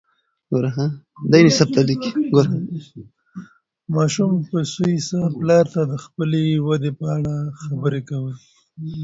ماشوم په سوې ساه پلار ته د خپلې ودې په اړه خبرې کولې.